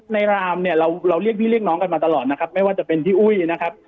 รามเนี่ยเราเรียกพี่เรียกน้องกันมาตลอดนะครับไม่ว่าจะเป็นพี่อุ้ยนะครับ